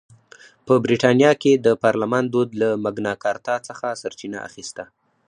په برېټانیا کې د پارلمان دود له مګناکارتا څخه سرچینه اخیسته.